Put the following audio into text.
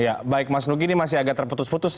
ya baik mas nugi ini masih agak terputus putus